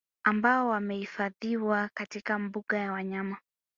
Ambao wamehifadhiwa katika mbuga ya wanyama